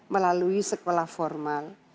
melalui sekolah formal